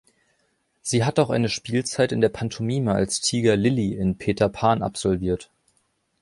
Sie hat auch eine Spielzeit in der Pantomime als Tiger Lilly in „Peter Pan“ absolviert.